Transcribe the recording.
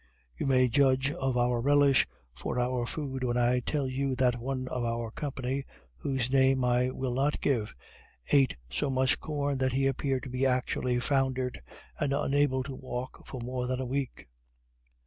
You may judge of our relish for our food, when I tell you that one of our company, whose name I will not give, eat so much corn that he appeared to be actually foundered, and unable to walk for more than a week.